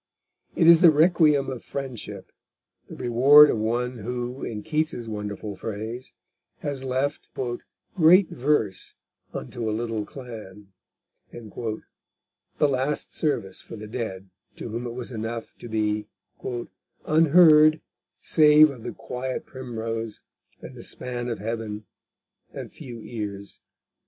It is the requiem of friendship, the reward of one who, in Keats's wonderful phrase, has left "great verse unto a little clan," the last service for the dead to whom it was enough to be "unheard, save of the quiet primrose, and the span of heaven, and few ears."